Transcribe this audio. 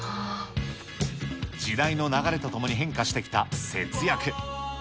時代の流れとともに変化してきた節約。